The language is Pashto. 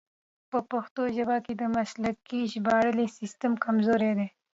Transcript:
په پښتو ژبه کې د مسلکي ژباړې سیستم کمزوری دی.